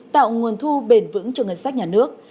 tạo nguồn thu bền vững cho ngân sách nhà nước